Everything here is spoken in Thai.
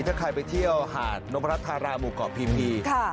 ถ้าใครไปเที่ยวหาดนพรัชธาราหมู่เกาะพีมงี